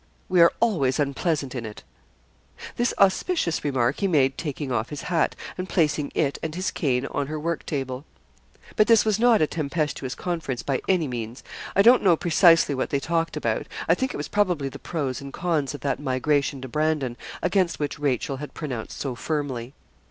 We are always unpleasant in it.' This auspicious remark he made taking off his hat, and placing it and his cane on her work table. But this was not a tempestuous conference by any means. I don't know precisely what they talked about. I think it was probably the pros and cons of that migration to Brandon, against which Rachel had pronounced so firmly.